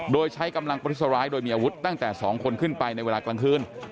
โดยใช้กำลังประทุษร้ายโดยมีอาวุธตั้งแต่๒คนขึ้นไปในเวลากลางคืน